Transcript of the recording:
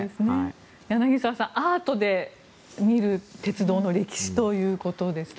柳澤さん、アートで見る鉄道の歴史ということです。